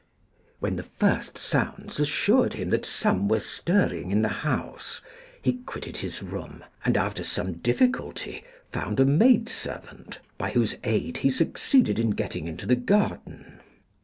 When the first sounds assured him that some were stirring in the house, he quitted his room, and after some difficulty found a maid servant, by whose aid he succeeded in getting into the garden.